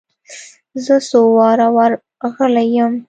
زه څو واره ور رغلى يم.